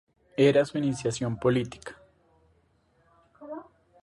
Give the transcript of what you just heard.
Era su iniciación política.